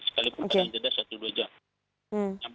sekalipun pada hari ini sudah satu dua jam